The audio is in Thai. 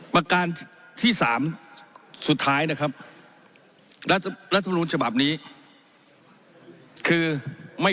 ประการที่สามสุดท้ายนะครับรัฐมนูลฉบับนี้คือไม่